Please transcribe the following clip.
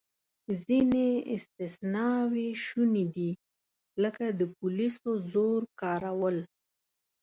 ځینې استثناوې شونې دي، لکه د پولیسو زور کارول.